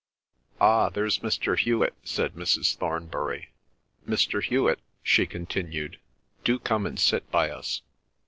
"Ah, there's Mr. Hewet," said Mrs. Thornbury. "Mr. Hewet," she continued, "do come and sit by us.